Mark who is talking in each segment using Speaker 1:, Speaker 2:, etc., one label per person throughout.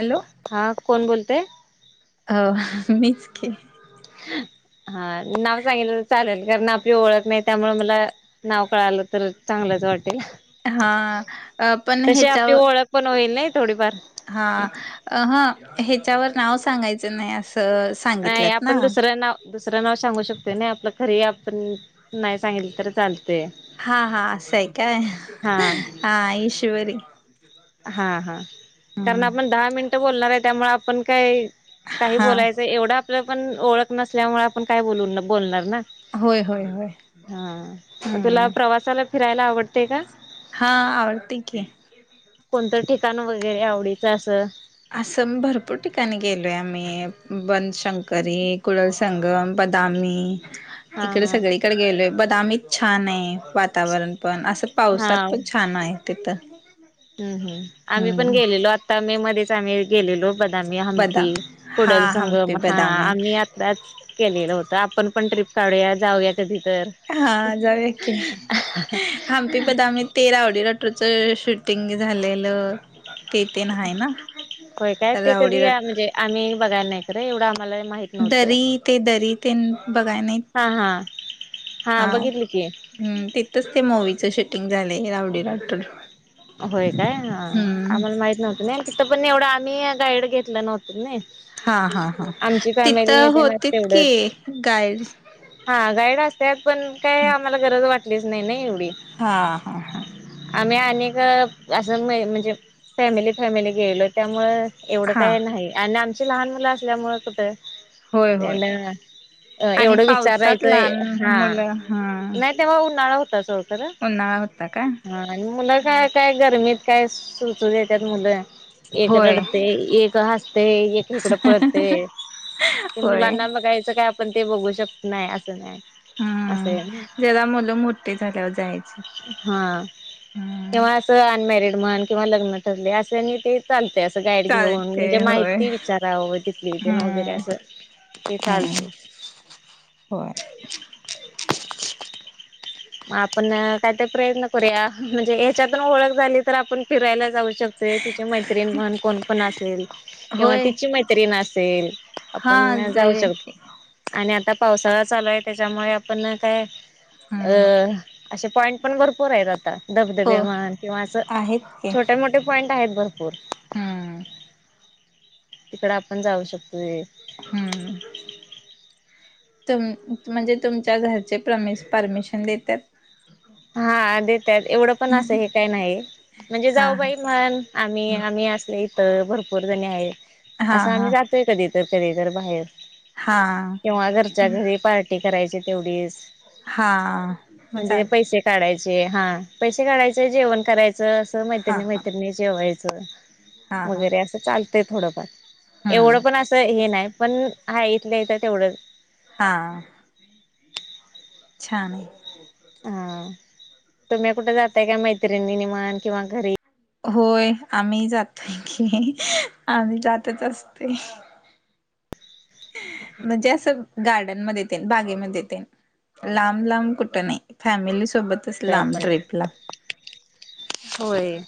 Speaker 1: Hello!
Speaker 2: हा कोण बोलते?
Speaker 1: अ मिच की.
Speaker 2: हा नाव सांगितलं चालेल कारण आपली ओळख नाही त्यामुळे मला. नाव कळाल तर चांगलंच वाटेल.
Speaker 1: हा पण,
Speaker 2: तशी आपली
Speaker 1: ह्याच्यावर
Speaker 2: ओळख पण होईल नाही थोडीफार,
Speaker 1: हा हा ह्याच्यावर नाव सांगायचं नाही अस,
Speaker 2: नाही आपण दुसरं नाव दुसरं नाव सांगू शकतो नाही आपलं खरी आपण नाही. सांगितलं तर चालतय
Speaker 1: हा हा असं आहे काय?
Speaker 2: हा
Speaker 1: हा ईश्वरी.
Speaker 2: हा हा‌. कारण दहा मिनटं बोलणार आहे आपण काय? काही
Speaker 1: हा
Speaker 2: बोलायचं एवढं आपलं पण ओळख नसल्यामुळे आपण काही बोल बोलणार ना?
Speaker 1: होय होय होय
Speaker 2: हा. मग तुला
Speaker 1: हम्म
Speaker 2: प्रवासाला फिरायला आवडतय का?
Speaker 1: हा आवडते की.
Speaker 2: कोणतं ठिकाण वगैरे आवडीचं असं!
Speaker 1: असं भरपूर ठिकाणी गेलोय आम्ही बनशंकरी कुड संगम, बदामी
Speaker 2: हा
Speaker 1: इकडे
Speaker 2: हा
Speaker 1: सगळीकडे गेलोय बदामीच छान आहे. वातावरण पण असं
Speaker 2: हा
Speaker 1: पावसात पण छान आहे तीथ.
Speaker 2: हम् हम. आम्ही पण गेलेलो आता मे मध्ये आम्ही गेलेलो बदामी,
Speaker 1: बदा
Speaker 2: हंपी,
Speaker 1: हा
Speaker 2: पुुडल
Speaker 1: हम्पी
Speaker 2: संगम हा
Speaker 1: बदामी
Speaker 2: आम्ही आ दाच केलेलं होतं आपण पण ट्रिप काढूया जाऊया कधी तर.
Speaker 1: हा जाउया की. हमपी बदामी तेरा आवडी राटूच शूटिंग झालेलं. ते तेन आहे ना.
Speaker 2: होय काय ते
Speaker 1: रावडी
Speaker 2: कधी
Speaker 1: राठोड.
Speaker 2: म्हणजे आम्ही बघायला नाही करे एवढं आम्हाला माहिती
Speaker 1: दरी ते दरी तेन बघाय नाही.
Speaker 2: हां हां हा. बघितली की.
Speaker 1: हम्. तिथंच ते मूवीच शूटिंग झाले रावडी राटोर.
Speaker 2: होय काय? हा आम्हाला माहित नव्हतं न. तिथं पण एवढं आम्ही गाईड घेतलं नव्हतं ना.
Speaker 1: हा हा हा
Speaker 2: आमची फॅमिली
Speaker 1: तिथं
Speaker 2: येते
Speaker 1: होतीत की
Speaker 2: तेवढंच
Speaker 1: गाईड.
Speaker 2: हा गाईड असत पण काय आम्हाला गरज वाटलीच नाही ना एवढी.
Speaker 1: हा हा हा!
Speaker 2: आम्ही अनेक असं म्हणजे फॅमिली फॅमिली गेलो त्यामु एवढं
Speaker 1: हा
Speaker 2: काय नाही आणि आमची लहान मुलं असल्यामुळं कुठं?
Speaker 1: होय होय
Speaker 2: त् अ
Speaker 1: आणि
Speaker 2: एवढं
Speaker 1: पावसात
Speaker 2: विचारायचं,
Speaker 1: लहान
Speaker 2: हा
Speaker 1: मुलं हा
Speaker 2: नाही तेव्हा उन्हाळा होता सोड खर.
Speaker 1: उन्हाळा होता का
Speaker 2: हा आणि मुलं काय काय गरमीत काय सुचू देतात मुलं. एक
Speaker 1: होय
Speaker 2: रडते, एक हसते, एक इकडं पळतय. ते
Speaker 1: होय
Speaker 2: मुलांना बघायचं काय? आपण ते बघू शकत नाही असं नाही. असय
Speaker 1: हम्म
Speaker 2: नाही
Speaker 1: जरा मुलं मोठे झाल्यावर जायचं
Speaker 2: हा.
Speaker 1: हम्म
Speaker 2: किंवा असं अनमॅरिड म्हण किंवा लग्न ठरले असंनी ते चालते असं गाईड घेऊन
Speaker 1: चालते
Speaker 2: म्हणजे
Speaker 1: होय
Speaker 2: माहिती विचारावं तितली तेन वगैरे
Speaker 1: हम्म
Speaker 2: असं. ते चालच.
Speaker 1: हम्म होय.
Speaker 2: म आपण अ कायतर प्रयत्न करूया म्हणजे ह्याच्यातून ओळख झाली तर आपण फिरायला जाऊ शकतो. तुझी मैत्रिण म्हण कोण पण असेल? किंवा
Speaker 1: होय
Speaker 2: तिची मैत्री असेल
Speaker 1: हा
Speaker 2: आपण जाऊ
Speaker 1: जाऊया
Speaker 2: शकतो.
Speaker 1: की
Speaker 2: आणि आता पावसाळा चालू आहे त्याच्यामुळे आपण अ काय? अ
Speaker 1: हम्म
Speaker 2: असे पॉइंट पण भरपूर आहेत आता.
Speaker 1: हो
Speaker 2: धबधबे म्हण अ किंवा असं
Speaker 1: आहेत की
Speaker 2: छोटे मोठे पॉईंट आहेत भरपूर.
Speaker 1: हम्म
Speaker 2: तिकड आपण जाऊ शकतोय.
Speaker 1: हम्म. तुम म्हणजे तुमच्या घरचे प्रमेस परमिशन देतात.
Speaker 2: हा देतात एवढं पण असं हे काय नाही म्हणजे
Speaker 1: हा
Speaker 2: जाऊ बाई म्हण. आम्ही आम्ही, अस इथं भरपूर जणी आहे.
Speaker 1: हा
Speaker 2: असं
Speaker 1: हा
Speaker 2: आम्ही जात तोय कधी तर, कधी तर बाहेर.
Speaker 1: हा हा
Speaker 2: किंवा घरच्या घरी पार्ट टी करायची तेवढीच,
Speaker 1: हा मग
Speaker 2: म्हणजे
Speaker 1: चाल
Speaker 2: पैसे काढायचे हा, पैसे काढायचे जेवण करायचं, असं
Speaker 1: हा
Speaker 2: मैत्रिणी
Speaker 1: हा
Speaker 2: मैत्रिणी जेवायचं
Speaker 1: हा हा
Speaker 2: वगैरे असं चालतय थोडंफार. एवढं
Speaker 1: हम्म
Speaker 2: पण असं हे नाही पण हा इथल्या इथं तेवढंच.
Speaker 1: हा. छान आहे.
Speaker 2: हा, तुम्ही कुठे जाताय का? मैत्रिणी म्हन किंवा घरी
Speaker 1: होय, आम्ही जातोय की. आम्ही जातच असतोय. म्हणजे असं गार्डनमध्ये तेन, बागेमध्ये तेन. लांब लांब, कुठं नाही. फॅमिली सोबत.
Speaker 2: [unintelligible] होय.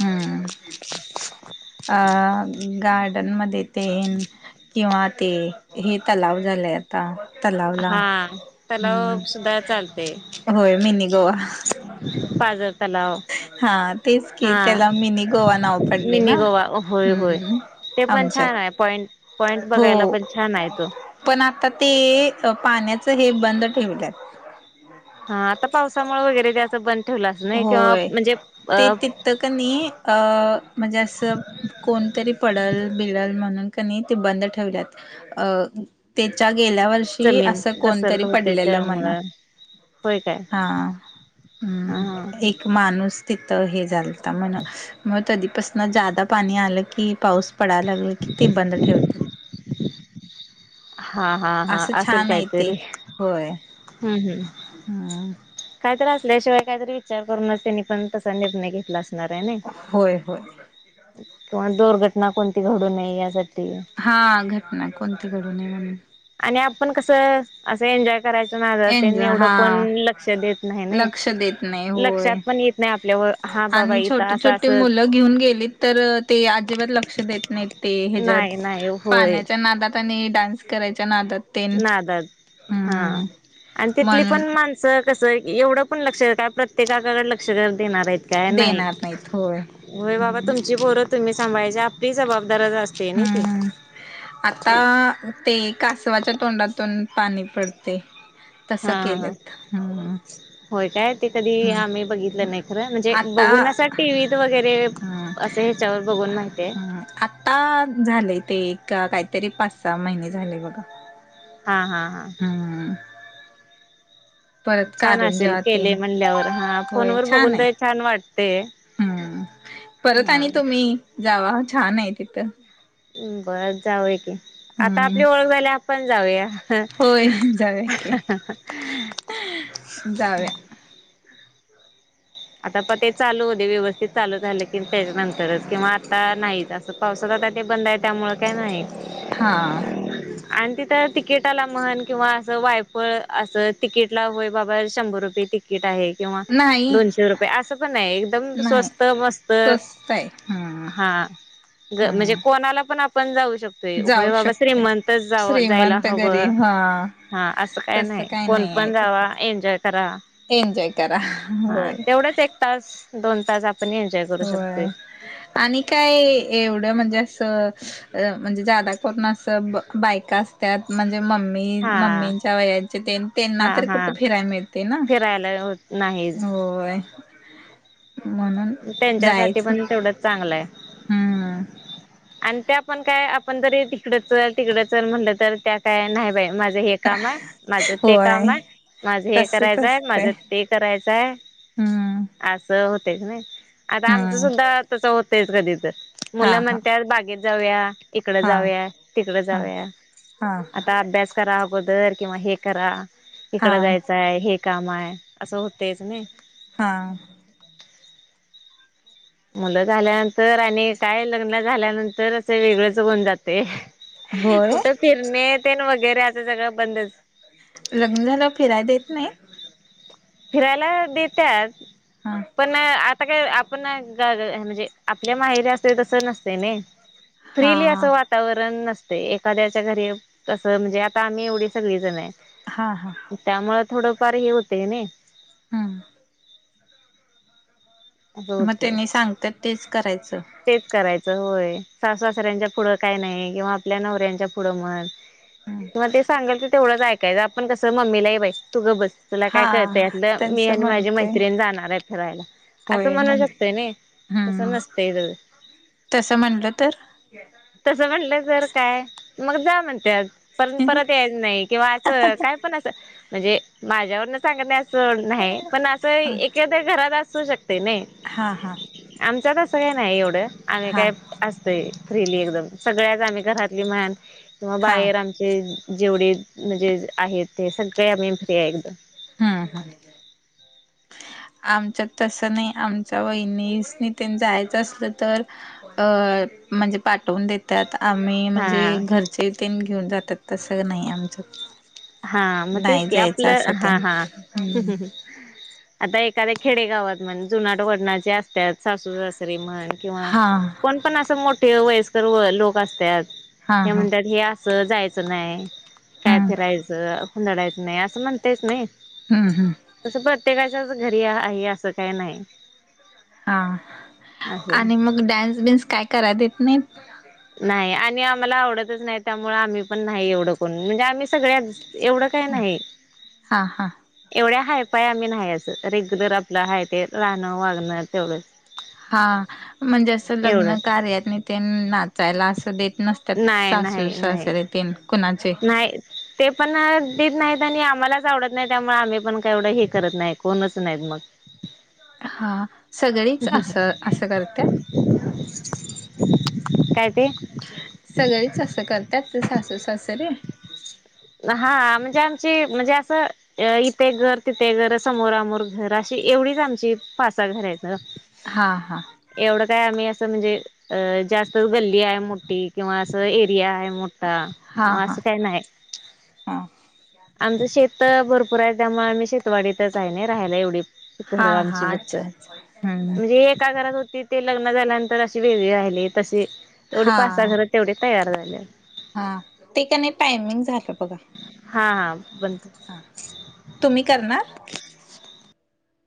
Speaker 1: हम्म, अ गार्डन मध्ये ते किंवा ते, हे तलाव झालय आता तलावला,
Speaker 2: हा
Speaker 1: हम्म
Speaker 2: तलाव सुद्धा चालते.
Speaker 1: होय मिनी गोवा.
Speaker 2: पाजर तलाव
Speaker 1: हा, तेच की.
Speaker 2: हा
Speaker 1: त्याला मिनी गोवा नाव पडलय ना?
Speaker 2: मिनी गोवा
Speaker 1: हम् आमच्यात.
Speaker 2: पॉंइंट पॉईंट,
Speaker 1: हो
Speaker 2: बघायला पण छान आहे तो!
Speaker 1: पण आता ते, अ पाण्याचं हे बंद ठेवल्यात.
Speaker 2: हा आता पावसामुळ वगैरे त्याचं बंद ठेवलं अस, नाही किंवा म्हणजे अ
Speaker 1: त क नई अ म्हणजे असं कोणतरी पडल बिडल म्हणून क नई ते बंद ठेवल्यात. अ तेच्या गेल्यावर र्षी
Speaker 2: जमीन
Speaker 1: अस
Speaker 2: घसरत
Speaker 1: कोणतरी
Speaker 2: होते
Speaker 1: पडलेलं म्हण.
Speaker 2: त्यामुळे होय काय
Speaker 1: हा हम्म,
Speaker 2: हा
Speaker 1: एक माणूस तिथं हे झालता. म्हण मग तधीपासन जादा पाणी आलं की पाऊस पडायला लागला की ते बंद ठेवत.
Speaker 2: हा हा हा,
Speaker 1: असं
Speaker 2: असल
Speaker 1: छान आहे ते
Speaker 2: काहीतरी.
Speaker 1: होय
Speaker 2: हम्म हम्म.
Speaker 1: हम्म
Speaker 2: काहीतरी असल्याशिवाय, काहीतरी विचार करूनच त्यांनी पण तसा निर्णय घेतला अस
Speaker 1: होय होय.
Speaker 2: [unintelligible] किंवा दुर्घटना कोणती घडू नये यासाठी
Speaker 1: हा, घटना कोणती घडू नये म्हणून.
Speaker 2: आणि आपण कसं, असं एन्जॉय करायच्या नादात तेन
Speaker 1: एन्जॉय
Speaker 2: एवढ कोण
Speaker 1: हा
Speaker 2: लक्ष देत नाही ने?
Speaker 1: लक्ष देत नाही होय.
Speaker 2: लक्षात पण येत नाही आपल्याव, हा बाबा
Speaker 1: आणि
Speaker 2: इथं
Speaker 1: छोटी
Speaker 2: असं
Speaker 1: छोटी
Speaker 2: असं
Speaker 1: मुलं घेऊन गेलीत तर ते अजिबात लक्ष देत नाहीत ते ह्येज्यात,
Speaker 2: नाही नाही होय
Speaker 1: पाण्याच्या नादात आणि डान्स करायच्या नादात तेन
Speaker 2: नादात, हा,
Speaker 1: हम्म
Speaker 2: आणि तिथली
Speaker 1: म्हणून
Speaker 2: पण मान स कसंय की एवढं पण लक्ष काय प्रत्येकाकडे लक्ष काय देणारेत. काय नाही,
Speaker 1: देणार नाहीत होय.
Speaker 2: होय बाबा तुमची पोर तुम्ही सांभाळायची, आपलीही जबाबदारच असते नई ती.
Speaker 1: हम्म आता, ते कासवाच्या तोंडातून पाणी पडते.
Speaker 2: हा
Speaker 1: तसं
Speaker 2: हा हा
Speaker 1: केलत, हम्म.
Speaker 2: होय काय? ते कधी
Speaker 1: हम्म
Speaker 2: आम्ही बघितलं नाही खरं, म्हणजे
Speaker 1: आता
Speaker 2: बघून असं टीव्हीत वगैरे
Speaker 1: हम्म
Speaker 2: असं ह्याच्यावर बघून माहिते.
Speaker 1: [unintelligible] झालेय ते, एक का काहीतरी पाच सहा-महिने झाले बघा.
Speaker 2: हा हा हा.
Speaker 1: हम्म परत
Speaker 2: छान असेल
Speaker 1: कारंजा
Speaker 2: केलय
Speaker 1: तेन
Speaker 2: म्हणल्यावर हा.
Speaker 1: होय
Speaker 2: फोनवर
Speaker 1: छान
Speaker 2: बघून
Speaker 1: आहे.
Speaker 2: तर छान वाटते.
Speaker 1: हम्म
Speaker 2: [unintelligible]
Speaker 1: परत
Speaker 2: हा
Speaker 1: आणि तुम्ही जावा छान आहे तिथं.
Speaker 2: हम्म, बरं जाऊया की. आता
Speaker 1: हम्म
Speaker 2: आपली ओळख झाल्यावर आपण जाऊया.
Speaker 1: होय जाऊया की जाऊया.
Speaker 2: आता पते चालू होवू दे व्यवस्थित चालू झालं की त्याच्यानंतरच किंवा आता नाही असं पावसात आता ते बंद आहे त्यामुळे काय नाही.
Speaker 1: हा.
Speaker 2: आणि तिथं तिकीटाला म्हनं, किंवा असं वायफळ असं तिकीटला होय, बाबा शंभर रुपये ति कीट आहे किंवा
Speaker 1: नाही
Speaker 2: दोनशे शे रुपये, असं पण नाहीये एकदम
Speaker 1: नाही
Speaker 2: स्वस्त मस्त,
Speaker 1: स्वस्त आहे हम्म.
Speaker 2: हा. होय म्हणजे
Speaker 1: हम्म
Speaker 2: कोणाला पण आपण जाऊ शक तोय. होय
Speaker 1: जाऊ
Speaker 2: बाबा
Speaker 1: शकते.
Speaker 2: श्रीमंतच जाव जायला
Speaker 1: श्रीमंत
Speaker 2: हवं,
Speaker 1: गरीब हा
Speaker 2: हा असं काय
Speaker 1: तसं
Speaker 2: नाही.
Speaker 1: काही
Speaker 2: कोण
Speaker 1: आहे
Speaker 2: पण
Speaker 1: तिथे.
Speaker 2: जावा एन्जॉय करा.
Speaker 1: एन्जॉय करा, होय.
Speaker 2: थोडच एक तास, दोन तास आपण एन्जॉय करू
Speaker 1: होय.
Speaker 2: शकतोय.
Speaker 1: आणि काय एवढं म्हणजे असं अ म्हणजे जादा कोण असं बायका अस त्यात म्हणजे मम्मी
Speaker 2: हा
Speaker 1: मम्मींच्या वयाचे तेन, तेन्हा
Speaker 2: हा
Speaker 1: तरं
Speaker 2: हा
Speaker 1: कुठं फिरायला मिळते ना.
Speaker 2: फिरायला हे होत नाहीत.
Speaker 1: होय. म्हणून
Speaker 2: त्यांच्यासाठी
Speaker 1: जायचं
Speaker 2: पण तेवढंच चांगल हाय.
Speaker 1: हम्म.
Speaker 2: आणि त्यापण काय आपण जरी तिकडं चल, तिकडं चल म्हटलं तर त्या काय नाही बाई माझ हे काम हाय. माझं ते
Speaker 1: होय
Speaker 2: काम हाय. माझं हे
Speaker 1: तसच
Speaker 2: करायचंय,
Speaker 1: असतंय
Speaker 2: माझं ते करायचंय
Speaker 1: हम्म.
Speaker 2: असं होतय कणी, आता आमचं
Speaker 1: हम्म
Speaker 2: सुद्धा तसं होतयच कधी तर
Speaker 1: हा
Speaker 2: मुलं
Speaker 1: हा
Speaker 2: म्हण त्यात बागेत जाऊया. इकडे
Speaker 1: हा
Speaker 2: जाऊया. तिकडे जाऊया.
Speaker 1: हा हा
Speaker 2: आता अभ्यास करा अगोदर किंवा हे करा, इकडं
Speaker 1: हा.
Speaker 2: जायचं य, हे काम हाय असं होतयच नाही.
Speaker 1: हा.
Speaker 2: मुलं झाल्यानंतर आणि काय लग्न झाल्यानंतरच वेगळच होऊन जाते.
Speaker 1: होय
Speaker 2: कुठं फिरणे तेन वगैरे अस सगळं बंदच.
Speaker 1: लग्न झाल्यावर फिराय देत नाहीत?
Speaker 2: फिरायला देत्यात.
Speaker 1: हा.
Speaker 2: पण आता काय आप नच अ म्हणजे आपल्या माहेरी असतंय तसं नसतयं नाही.
Speaker 1: हा
Speaker 2: फ्रीली असं वा तावरण नसतयं. एखाद्याच्या घरी कसं म्हणजे आता आम्ही एवढी सगळी जण हाय.
Speaker 1: हां हां.
Speaker 2: त्यामुळे थोडंफार हे होतय नाही.
Speaker 1: हम.
Speaker 2: असं
Speaker 1: मग त्यांनी
Speaker 2: होते
Speaker 1: सांगत्यात तेच करायचं.
Speaker 2: तेच करायचं होय. सासु-सासऱ्यांच्या पुढं काय नाही. किंवा आपल्या नवऱ्यांच्या पुढं म्हणं. तेव्हा ते सांगल ते तेवढंच ऐकायच. आपण कसं मम्मीला ये बाई तु गप्प बस. तुला काय
Speaker 1: हा
Speaker 2: कळतय यातल मी
Speaker 1: त्यांचं
Speaker 2: आणि माझी
Speaker 1: म्हणते
Speaker 2: मैत्रिण जाणार हाय फरायला. असं
Speaker 1: होय
Speaker 2: म्हनू
Speaker 1: म्हण
Speaker 2: शकतय नई, तसं
Speaker 1: हम्म
Speaker 2: नसतयं ग.
Speaker 1: तसं म्हणलं तर?
Speaker 2: तसं म्हनलं तर काय, मग जा म्हणत्यात, पण परत यायचं नाही. किंवा असं काय पण असं, म्हणजे, माझ्यावरन सांगत नाही असं सोड नाही पण अस एक एखाद्या घरात असू शकतय नई.
Speaker 1: हां हां.
Speaker 2: आमच्यात अस काय नाही एवढ, आम्ही
Speaker 1: हा
Speaker 2: काय, असतोय. फ्रीली एकदम, सगळ्याच आम्ही घरातली म्हण, किंवा
Speaker 1: हा
Speaker 2: बाहेर आम चे जेवढे, म्हणजे आहेत ते सगळे आम्ही फ्री ये एकदम.
Speaker 1: हा हा. आमच्यात तस नई आमच्या वहिनीसनी तेन जायचं असलं तर अ, म्हणजे पाठवून दे त्यात आम्ही म्हणजे
Speaker 2: हा
Speaker 1: घरचे तेन घेऊन जातात तसं नाही आमच्यात.
Speaker 2: हा मग तेच
Speaker 1: नाही
Speaker 2: की
Speaker 1: जायचं असं
Speaker 2: आपलं हा
Speaker 1: तेन
Speaker 2: हा.
Speaker 1: हम्म
Speaker 2: आता एखाद्या खेडेगावात म्हण जुनाट वडणाचे असत्यात सासू सासरीे म्हण किंवा,
Speaker 1: हा
Speaker 2: कोण पण अस मोठे वयस्कर व लोक असत्यात,
Speaker 1: हा
Speaker 2: हे
Speaker 1: हा
Speaker 2: म्हणत्यात ह्या अस जायच नाही, काय
Speaker 1: हम्म
Speaker 2: फिरायच हुंदडायेत नाही असं म्हणतयच नई.
Speaker 1: हम्म हम.
Speaker 2: तसं प्रत्येकाच्याच घरी आहे असं काही नाही.
Speaker 1: हा,
Speaker 2: असं
Speaker 1: आणि मग डान्स बिन्स काय कराय देत नाहीत?
Speaker 2: नाही आणि आम्हाला आवडतच नाही त्यामुळे आम्ही पण नाही एवढ कोण म्हणजे आम्ही सगळ्याच, एवढं काय नाही.
Speaker 1: हा हा
Speaker 2: एवढ्या हाय फाय आम्ही नाही अस रेग्युलर आपल हाय ते राहण वागण तेवढच.
Speaker 1: हा, म्हणजे असंलग्न
Speaker 2: एवढं
Speaker 1: कार्यातनी तेन ना चायला अस देत नसत्यात,
Speaker 2: नाही
Speaker 1: सासु
Speaker 2: नाही नाही
Speaker 1: सासरे तेन कुणाचे?
Speaker 2: नाही ते पण दित नाहीत आणि आम्हालाच आवडत नाही त्यामुळे आम्ही पण काय एवढ हे करत नाही कोणच नाहीत मग.
Speaker 1: हा, सगळीच असं असं करत्यात?
Speaker 2: काय ते?
Speaker 1: सगळीच अस करत्यात सासू सासरे?
Speaker 2: हा म्हणजे आमची म्हणजे अस अ इथ एक घर तिथ एक घर समोर आमोर घर अशी एवढीच आमची पा सहा घर हाईत.
Speaker 1: हा हा.
Speaker 2: एवढं काय आम्ही अस म्हणजे अ जास्त गल्ली हाय मोठी किंवा असं एरिया हाय मो ता. म
Speaker 1: हा हा
Speaker 2: अस काय नाही,
Speaker 1: हा
Speaker 2: आमचं शेत भरपूर आहे त्यामुळ आम्ही शे वाडीतच आहे नाही राहायला एवढी, घर
Speaker 1: हा
Speaker 2: आमची
Speaker 1: हा
Speaker 2: फक्त,
Speaker 1: अच्छा अच्छा हम्म
Speaker 2: म्हणजे एका घरात होतीत ते लग्न झाल्यानंतर अशी वेगळी राहिली तशी, एवढी
Speaker 1: हा
Speaker 2: पासहा घर तेवढी तयार झाल्यात.
Speaker 1: हा, ते कणी टायमिंग झाल बघा?
Speaker 2: हा, बंत
Speaker 1: तुम्ही करणार?